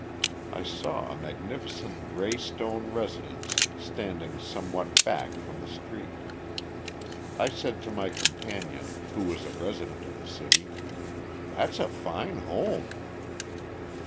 I saw a magnificent gray stone residence standing somewhat back from the street. I said to my companion, who was a resident of the city: "That's a fine home."